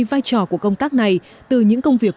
vai trò của công tác này từ những công việc